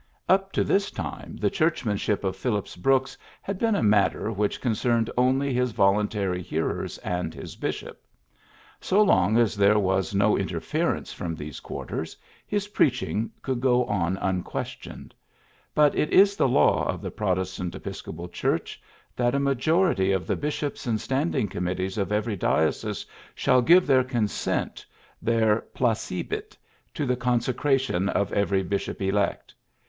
Up to this time the churchmanship of Phillips Brooks had been a matter which concerned only his voluntary hearers and his bishop. So long as there was no interference from these quarters, his preaching could go on unquestioned. But it is the law of the Protestant Episcopal Church that a majority of the bishops and standing committees of every diocese shall give their consent their placedit to the consecration of every bishop elect.